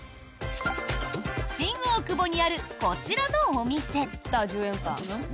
新大久保にあるこちらのお店。